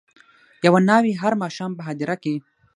یوه ناوي هر ماښام په هدیره کي